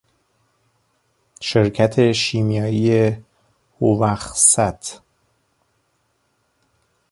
شرکت شیمیایی هوخست